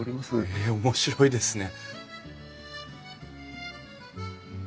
へえ面白いですね。